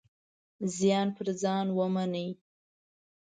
زیان پر ځان ومني.